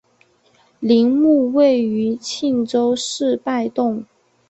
陵墓位于庆州市拜洞。